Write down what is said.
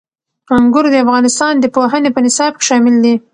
انګور د افغانستان د پوهنې په نصاب کې شامل دي.